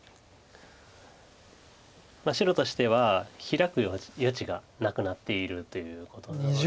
白としてはヒラく余地がなくなっているということなので。